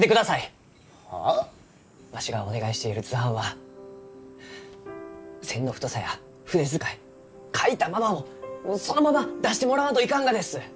わしがお願いしている図版は線の太さや筆遣い描いたままをそのまま出してもらわんといかんがです！